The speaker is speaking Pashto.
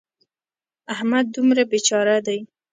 احمد دومره بې چاره دی.